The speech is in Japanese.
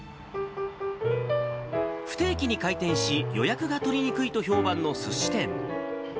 不定期に開店し、予約が取りにくいと評判のすし店。